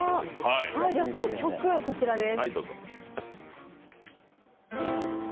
その曲、こちらです。